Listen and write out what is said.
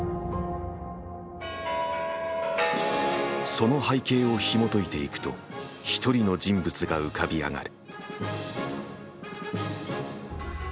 その背景をひもといていくと一人の人物が浮かび上がる。